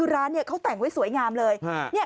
ร้านเขาแต่งไว้สวยงามเลย